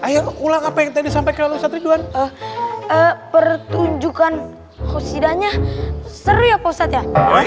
mau ulang apa yang tadi sampai kalau satu jual eh eh pertunjukan khusyidahnya seri ya posatnya